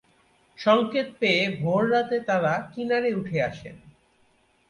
সংকেত পেয়ে ভোর রাতে তারা কিনারে উঠে আসেন।